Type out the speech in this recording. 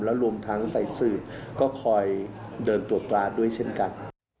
แล้วรวมทั้งใส่สืบก็คอยเดินตรวจปลาด้วยเช่นกัน